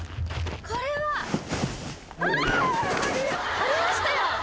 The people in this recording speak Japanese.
これは。ありましたよ。